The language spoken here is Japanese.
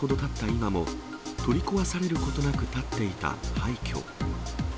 今も、取り壊されることなく建っていた廃虚。